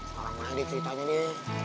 orang mahal deh ceritanya nih